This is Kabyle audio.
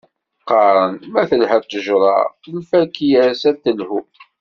Qqaren, ma telha ṭṭejṛa, lfakya-s ad telhu.